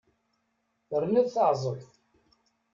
Terniḍ taεẓegt!